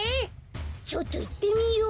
ちょっといってみよう。